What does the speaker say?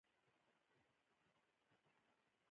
ډېر جالب داستانونه او روایتونه ورسره تړلي دي.